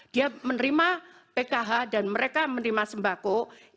dia menerima pkh dan mereka menerima sembako